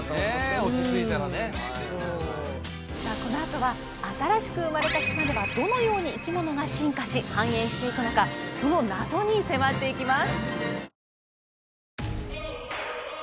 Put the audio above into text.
そうさあこのあとは新しく生まれた島ではどのように生き物が進化し繁栄していくのかその謎に迫っていきます